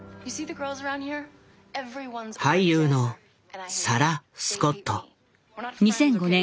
俳優のサラ・スコット。